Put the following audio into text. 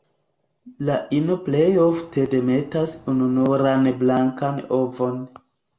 La ino plej ofte demetas ununuran blankan ovon.